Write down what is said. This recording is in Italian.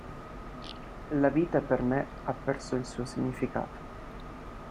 La vita, per me, ha perso il suo significato.